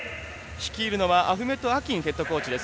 率いるのはアフメット・アキンヘッドコーチです。